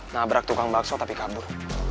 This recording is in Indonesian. nabrak tukang bakso tapi kabur